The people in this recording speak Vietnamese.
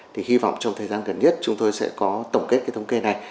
thì hy vọng trong thời gian gần nhất chúng tôi sẽ có tổng kết cái thống kê này